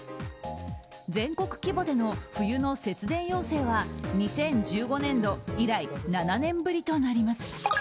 全国規模での冬の節電要請は２０１５年度以来７年ぶりとなります。